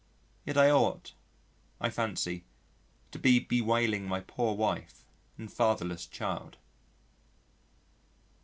Yet I ought, I fancy, to be bewailing my poor wife and fatherless child.